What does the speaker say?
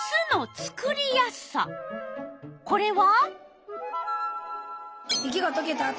これは？